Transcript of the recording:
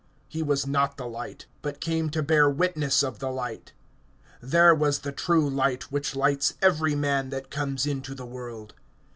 (8)He was not the light; but [came] to bear witness of the light. (9)There was the true light, which lights every man that comes into the world.